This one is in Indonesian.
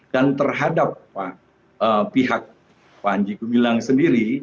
dan terhadap pihak pak anjikubilang sendiri